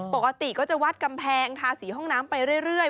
ปกติก็จะวัดกำแพงทาสีห้องน้ำไปเรื่อย